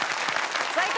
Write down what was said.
最高！